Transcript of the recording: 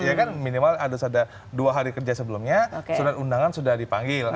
ya kan minimal harus ada dua hari kerja sebelumnya surat undangan sudah dipanggil